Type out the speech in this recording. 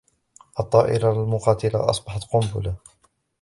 الطائرة المقاتلة أسقطت قنبلة.